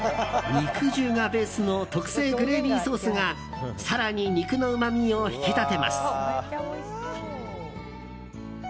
肉汁がベースの特製グレービーソースが更に肉のうまみを引き立てます。